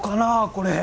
これ。